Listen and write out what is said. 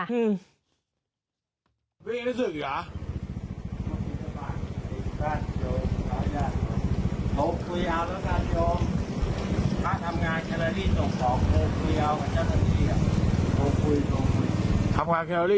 ถ้าทำงานส่งของโทรคุยเอากับเจ้าท่านที่